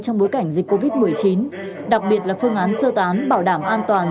trong bối cảnh dịch covid một mươi chín đặc biệt là phương án sơ tán bảo đảm an toàn